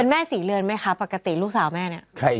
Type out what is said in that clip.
เป็นแม่สีเลือดไหมคะปกติลูกสาวแม่นี้